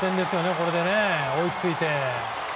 これで追いついて。